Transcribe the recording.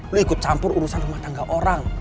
lo ikut campur urusan rumah tangga orang